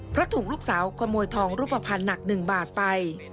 เพราะถูกลูกสาวขโมยทองรูปภัณฑ์หนัก๑บาทไป